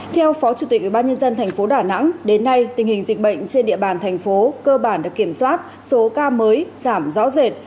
theo phó chủ tịch ubnd tp đà nẵng đến nay tình hình dịch bệnh trên địa bàn thành phố cơ bản được kiểm soát số ca mới giảm rõ rệt